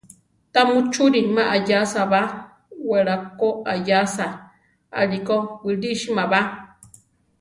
Ta múchuri má aʼyasá ba; we la ko aʼyasa, aʼlí ko wilísima ba.